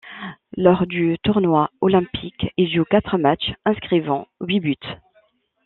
Lors du tournoi olympique, il joue quatre matchs, inscrivant huit buts.